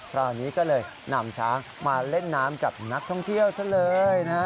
คราวนี้ก็เลยนำช้างมาเล่นน้ำกับนักท่องเที่ยวซะเลยนะฮะ